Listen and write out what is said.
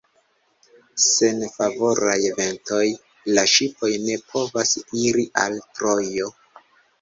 Sen favoraj ventoj, la ŝipoj ne povas iri al Trojo.